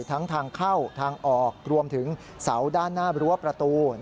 ทั้งทางเข้าทางออกรวมถึงเสาด้านหน้ารั้วประตู